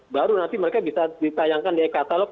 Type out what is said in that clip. baru nanti mereka bisa ditayangkan di e katalog